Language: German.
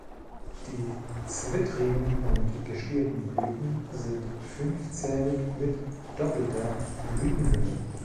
Die zwittrigen und gestielten Blüten sind fünfzählig mit doppelter Blütenhülle.